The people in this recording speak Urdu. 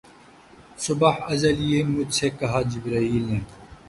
صبح ازل یہ مجھ سے کہا جبرئیل نے